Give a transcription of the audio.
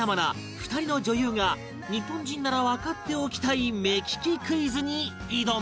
２人の女優が日本人ならわかっておきたい目利きクイズに挑む！